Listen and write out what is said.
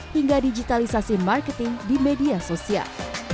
hingga digitalisasi marketing di media sosial